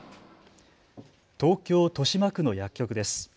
東京豊島区の薬局です。